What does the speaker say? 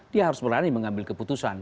dia harus berani mengambil keputusan